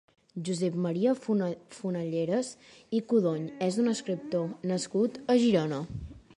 Josep Maria Fonalleras i Codony és un escriptor nascut a Girona.